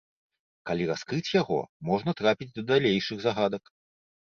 Калі раскрыць яго, можна трапіць да далейшых загадак.